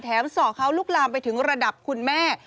ส่อเขาลุกลามไปถึงระดับคุณแม่